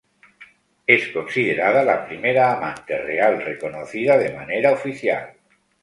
Es considerada la primera amante real reconocida de manera oficial.